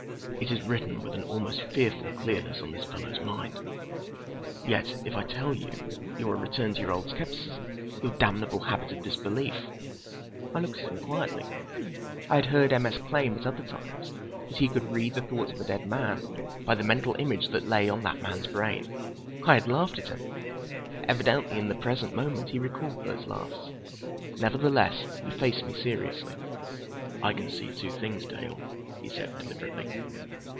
It is written with an almost fearful clearness on this fellow's mind. Yet if I tell you, you will return to your old skepticism—your damnable habit of disbelief!" I looked at him quietly. I had heard M. S. claim, at other times, that he could read the thoughts of a dead man by the mental image that lay on that man's brain. I had laughed at him. Evidently, in the present moment, he recalled those laughs. Nevertheless, he faced me seriously. "I can see two things, Dale," he said deliberately.